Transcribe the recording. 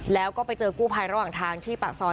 แล้วก็ไปเจอกู้ภัยระหว่างทางที่ปากซอย